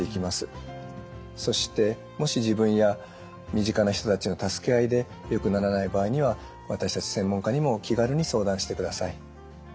そしてもし自分や身近な人たちの助け合いでよくならない場合には私たち専門家にも気軽に相談してください。